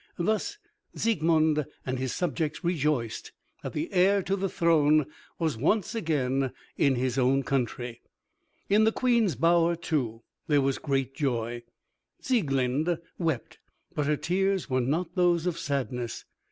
Thus Siegmund and his subjects rejoiced that the heir to the throne was once again in his own country. In the Queen's bower, too, there was great joy. Sieglinde wept, but her tears were not those of sadness.